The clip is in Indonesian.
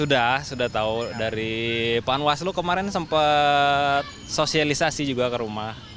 sudah sudah tahu dari panwaslu kemarin sempat sosialisasi juga ke rumah